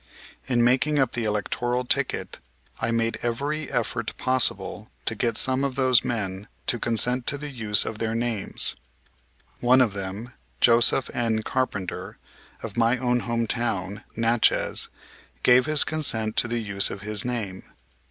In making up the electoral ticket I made every effort possible to get some of those men to consent to the use of their names. One of them, Joseph N. Carpenter, of my own home town, Natchez, gave his consent to the use of his name.